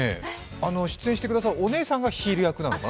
出演してくださるお姉さんがヒール役なのかな？